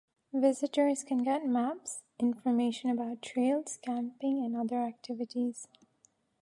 Visitors can get maps, information about trails, camping and other activities.